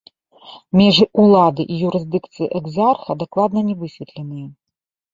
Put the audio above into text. Межы ўлады і юрысдыкцыі экзарха дакладна не высветленыя.